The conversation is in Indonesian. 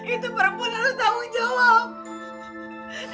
itu perempuan harus tanggung jawab